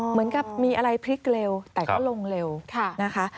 เหมือนกับมีอะไรพลิกเร็วแต่ก็ลงเร็วนะคะ